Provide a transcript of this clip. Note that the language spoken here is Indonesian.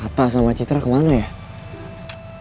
atta sama citra kemana ya